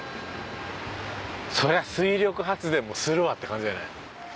そりゃ水力発電もするわって感じだよね。